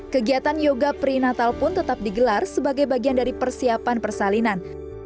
kegiatan yoga prinatal pun tetap digelar sebagai bagian dari persiapan persalinan